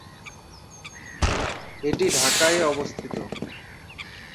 এটি ঢাকায় অবস্থিত।